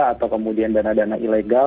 atau kemudian dana dana ilegal